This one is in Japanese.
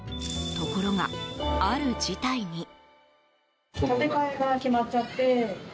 ところが、ある事態に。